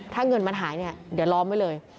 ถ้าเงินมันหายเนี่ยเดี๋ยวล้อมไว้เลย